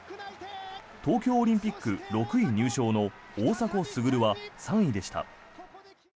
東京オリンピック６位入賞の大迫傑は３位でした。